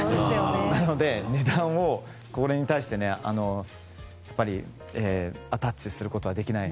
なので値段をこれに対してアタッチすることはできない。